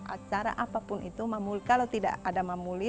acara apapun itu kalau tidak ada mamuli